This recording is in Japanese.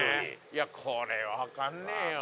いやこれわかんねえよ。